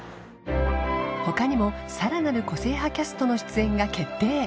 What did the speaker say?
他にもさらなる個性派キャストの出演が決定